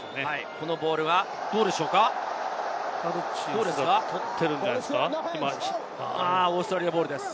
このボールはどうでしょマルチンズが取っているオーストラリアボールです。